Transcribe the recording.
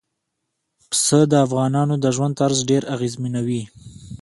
پسه د افغانانو د ژوند طرز ډېر اغېزمنوي.